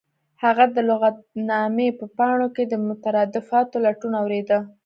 هغه د لغتنامې په پاڼو کې د مترادفاتو لټون اوریده